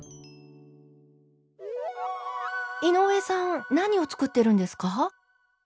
井上さん何を作ってるんですか？